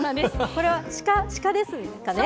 これは鹿ですかね。